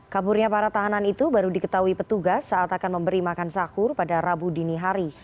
kaburnya para tahanan itu baru diketahui petugas saat akan memberi makan sahur pada rabu dini hari